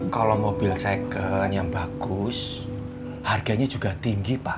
kalau mobil segel yang bagus harganya juga tinggi pak